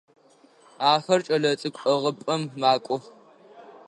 Ахэр кӏэлэцӏыкӏу ӏыгъыпӏэм макӏох.